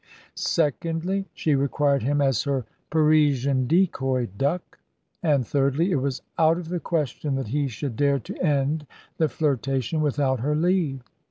Secondly, she required him as her Parisian decoy duck. And thirdly, it was out of the question that he should dare to end the flirtation without her leave.